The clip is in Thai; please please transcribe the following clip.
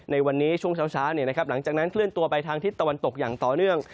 ในวันนี้ช่วงเช้าหลังจากนั้นเคลื่อนตัวไปทางทิศตะวันตกอย่างต่อเนื่อง